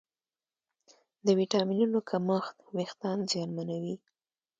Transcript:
د ویټامینونو کمښت وېښتيان زیانمنوي.